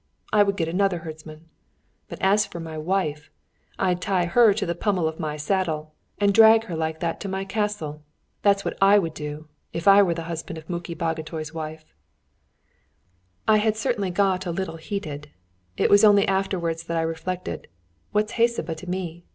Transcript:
I would get another herdsman; but as for my wife, I'd tie her to the pummel of my saddle, and drag her like that to my castle. That's what I would do, were I the husband of Muki Bagotay's wife!" I had certainly got a little heated. It was only afterwards that I reflected, "What's Hecuba to me?